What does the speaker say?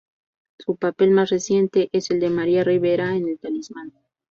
Su papel más reciente es el de María Rivera en "El Talismán".